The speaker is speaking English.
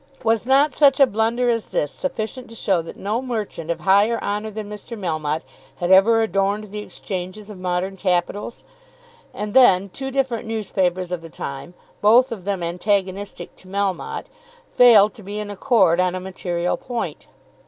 Was not such a blunder as this sufficient to show that no merchant of higher honour than Mr. Melmotte had ever adorned the Exchanges of modern capitals? And then two different newspapers of the time, both of them antagonistic to Melmotte, failed to be in accord on a material point.